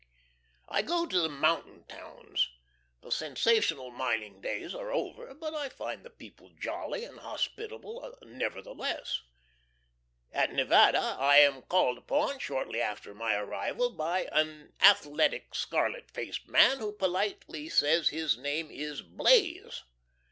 . I go to the mountain towns. The sensational mining days are over, but I find the people jolly and hospitable nevertheless. At Nevada I am called upon, shortly after my arrival, by an athletic scarlet faced man, who politely says his name is Blaze.